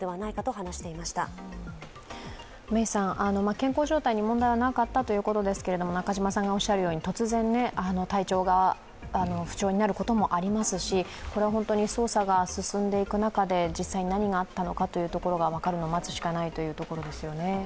健康状態に問題はなかったといことですけれども、中島さんがおっしゃるように、突然体調が不調になることもありますしこれは本当に捜査が進んでいく中で実際に何があったのかを待つしかないですね。